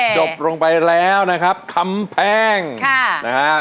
จบลงไปแล้วนะครับคำแพงนะฮะ